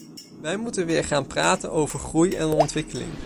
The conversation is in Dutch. Wij moeten weer gaan praten over groei en ontwikkeling.